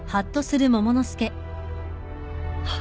あっ。